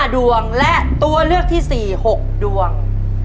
ดวงและตัวเลือกที่๔๖ดวง